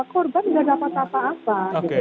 korban tidak dapat apa apa